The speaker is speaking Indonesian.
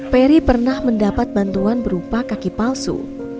peri pernah mendapat bantuan berupa kaki palsu